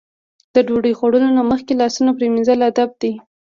د ډوډۍ خوړلو نه مخکې لاسونه پرېمنځل ادب دی.